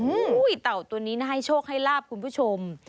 เต่าตัวนี้น่าให้โชคให้ลาบคุณผู้ชม